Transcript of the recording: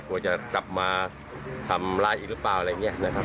กลัวจะกลับมาทำร้ายอีกหรือเปล่าอะไรอย่างนี้นะครับ